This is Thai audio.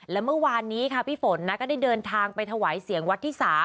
และเมื่อวานนี้ค่ะพี่ฝนนะก็ได้เดินทางไปถวายเสียงวัดที่๓